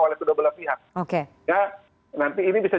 oleh kedua belah pihak nanti ini bisa